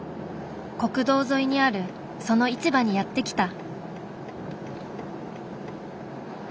国道沿いにあるその市場にやって来た。